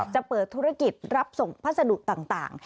จะเปิดธุรกิจรับส่งพัสดุต่าง